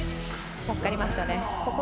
助かりましたね